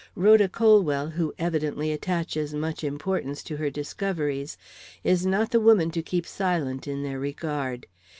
Rhoda Colwell, who evidently attaches much importance to her discoveries, is not the woman to keep silent in their regard.